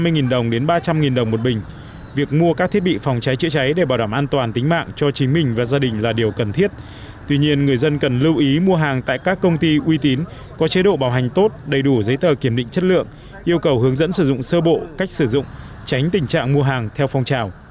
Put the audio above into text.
nhiều người dân đổ rồn đi mua các thiết bị phòng cháy chữa cháy khi có hỏa hoạn xảy ra tình trạng khăn hàng nhiều mặt hàng bị đẩy giá cao hơn so với bình thường